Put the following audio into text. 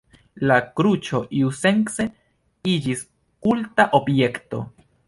La kruĉo iusence iĝis kulta objekto.